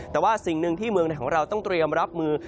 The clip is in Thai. แต่ว่าสิ่งหนึ่งที่เมืองในของเราต้องเตรียมรับมือ